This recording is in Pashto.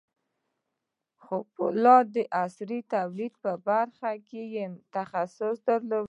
خو د پولادو د عصري توليد په برخه کې يې تخصص درلود.